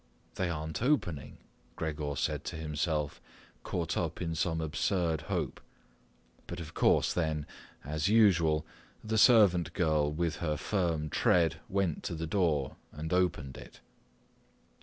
"They aren't opening," Gregor said to himself, caught up in some absurd hope. But of course then, as usual, the servant girl with her firm tread went to the door and opened it.